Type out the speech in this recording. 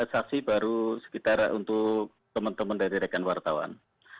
saksi baru sekitar untuk teman teman dari rekan wartawan